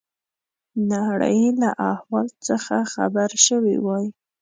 نړۍ له احوال څخه خبر شوي وای.